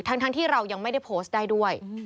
ทั้งที่เรายังไม่ได้โพสต์ได้ด้วย